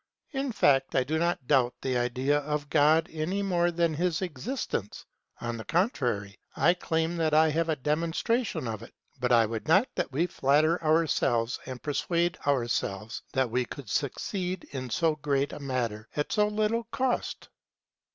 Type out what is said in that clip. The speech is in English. In fact I do not doubt the idea of God any more than his existence, on the contrary, I claim that I have a demonstration of it ; but I would not that we flatter our selves and persuade ourselves that we could succeed in so great a matter at so little cost.